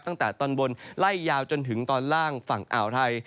ตั้งแต่ตอนบนไล่ยาวจนถึงตอนล่างฝั่งอ่าวไทย